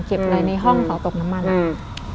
เก็บอะไรในห้องเผาตกน้ำมันอ่ะ